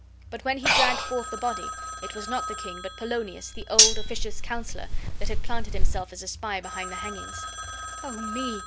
But when he dragged forth the body it was not the king, but Polonius, the old, officious counselor, that had planted himself as a spy behind the hangings. "Oh, me!"